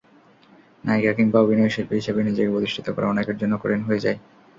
নায়িকা কিংবা অভিনয়শিল্পী হিসেবে নিজেকে প্রতিষ্ঠিত করা অনেকের জন্য কঠিন হয়ে যায়।